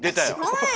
おい！